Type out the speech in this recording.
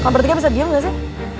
kamu berdiri bisa diam ga sih